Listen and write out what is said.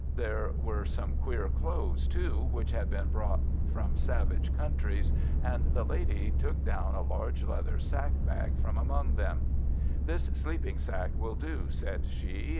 There were some queer clothes, too, which had been brought from savage countries, and the lady took down a large leather sack bag from among them. "This sleeping sack will do," said she.